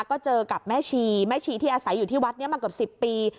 ก็เจอกับแม่ชีแม่ชีที่อาศัยอยู่ที่วัดนี้มาเกือบ๑๐ปี